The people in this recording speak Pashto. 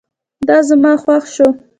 دا زما خوښ شو